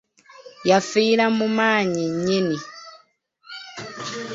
Yafiira mu maanyi nnyini!